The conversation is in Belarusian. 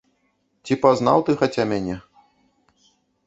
Ці пазнаў ты хаця мяне?